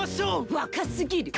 若すぎる！